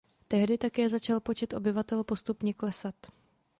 Tehdy také začal počet obyvatel postupně klesat.